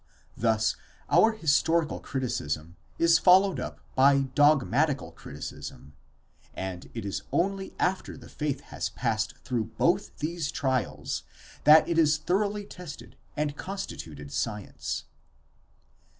Thus our historical criticism is followed up by dogmatical criticism, and it is only after the faith has passed through both these trials, that it is thoroughly tested and consti tuted science.